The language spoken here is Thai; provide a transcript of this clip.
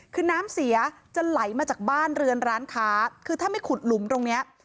คือน้ำเสียจะไหลมาจากบ้านเรือนร้านค้าคือถ้าไม่ขุดหลุมตรงเนี้ย